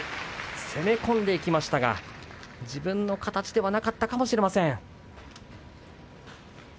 攻め込んでいきましたが自分の形ではなかったかもしれません。